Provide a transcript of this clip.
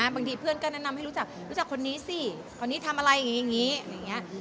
บางทีเพื่อนก็แนะนำให้รู้จักรู้จักคนนี้สิคนนี้ทำอะไรอย่างนี้อย่างนี้